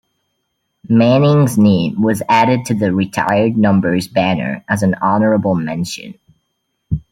Manning's name was added to the retired number's banner as an honorable mention.